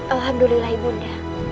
alhamdulillah ibu unda